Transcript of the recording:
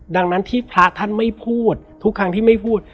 ดังนั้นที่พระท่านไม่พูดทุกครั้งที่ไม่พูด